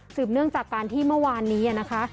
เนื่องจากการที่เมื่อวานนี้นะคะ